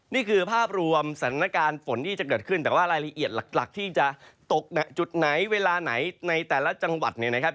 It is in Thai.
นี่คือภาพรวมสถานการณ์ฝนที่จะเกิดขึ้นแต่ว่ารายละเอียดหลักที่จะตกจุดไหนเวลาไหนในแต่ละจังหวัดเนี่ยนะครับ